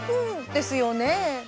ですよね。